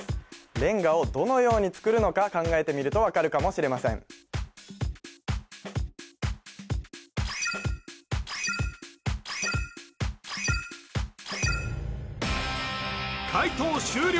レンガをどのように作るのか考えてみると分かるかもしれません解答終了